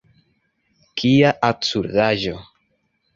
Kia absurdaĵo!